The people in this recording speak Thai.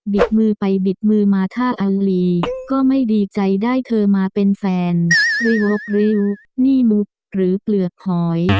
มือไปบิดมือมาท่าอังลีก็ไม่ดีใจได้เธอมาเป็นแฟนริ้วยกริ้วนี่มุกหรือเปลือกหอย